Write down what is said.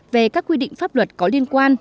về các quy định pháp luật có liên quan